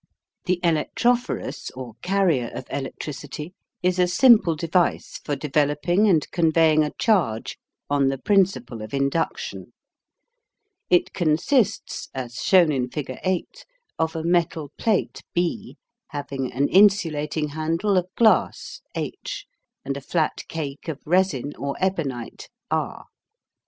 The Electrophorus, or carrier of electricity, is a simple device for developing and conveying a charge on the principle of induction. It consists, as shown in figure 8, of a metal plate B having an insulating handle of glass H, and a flat cake of resin or ebonite R.